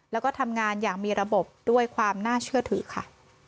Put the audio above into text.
แล้วก็ทำงานอย่างมีระบบด้วยความน่าเชื่อถือค่ะ